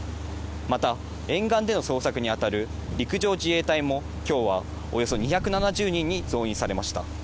また、沿岸での捜索に当たる陸上自衛隊も、きょうはおよそ２７０人に増員されました。